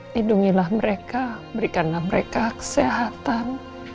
lindungilah mereka berikanlah mereka kesehatan